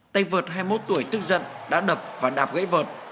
tay vợt hai mươi một tuổi tức giận đã đập và đạp gãy vợt